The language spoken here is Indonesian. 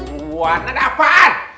buluan ada apaan